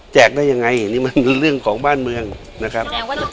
ได้ยังไงนี่มันเรื่องของบ้านเมืองนะครับ